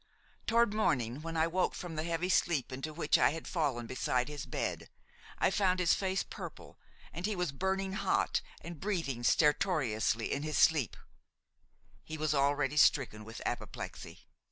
Toward morning, when I woke from the heavy sleep into which I had fallen beside his bed, I found his face purple and he was burning hot and breathing stertorously in his sleep; he was already stricken with apoplexy.